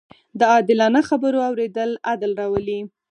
د عادلانه خبرو اورېدل عدل راولي